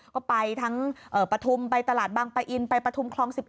ก็ไปทั้งปฐุมไปตลาดบางปะอินไปปฐุมคลอง๑๑